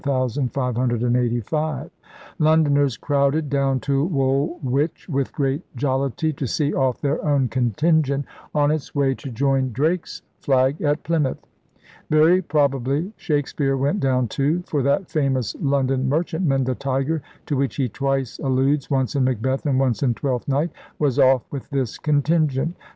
Londoners crowded down to Woolwich * with great jolitie' to see off their own contingent on its way 154 ELIZABETHAN SEA DOGS to join Drake's flag at Plymouth. Very probably Shakespeare went down too, for that famous Lon don merchantman, the Tiger, to which he twice alludes — once in Macbeth and once in Twelfth Night — was off with this contingent.